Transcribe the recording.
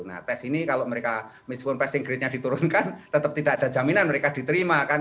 nah tes ini kalau mereka meskipun passing grade nya diturunkan tetap tidak ada jaminan mereka diterima kan